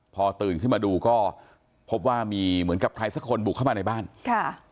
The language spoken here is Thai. พอตื่นขึ้นมาดูก็พบว่ามีเหมือนกับใครสักคนบุกเข้ามาในบ้านค่ะ